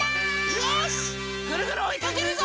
よしぐるぐるおいかけるぞ！